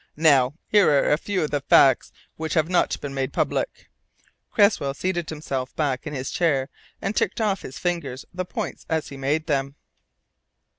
Now here are a few of the facts which have not been made public." Cresswell settled himself back in his chair and ticked off on his fingers the points as he made them.